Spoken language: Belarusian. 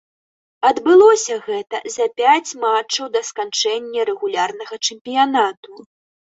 Адбылося гэта за пяць матчаў да сканчэння рэгулярнага чэмпіянату.